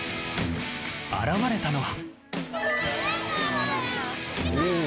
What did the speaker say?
現れたのは。